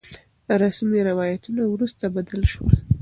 رسمي روايتونه وروسته بدل شول.